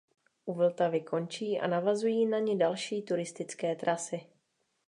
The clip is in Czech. U Vltavy končí a navazují na ni další turistické trasy.